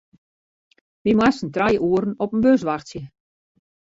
Wy moasten trije oeren op in bus wachtsje.